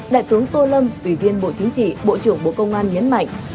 đại tướng tô lâm ủy viên bộ chính trị bộ trưởng bộ công an nhấn mạnh